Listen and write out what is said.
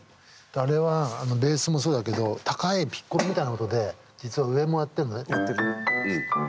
あれはベースもそうだけど高いピッコロみたいな音で実は上もやってるのね。